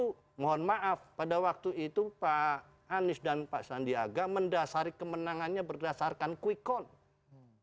itu mohon maaf pada waktu itu pak anies dan pak sandiaga mendasari kemenangannya berdasarkan quick count